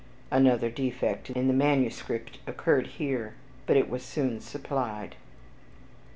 (Another defect in the manuscript occurred here, but it was soon supplied.)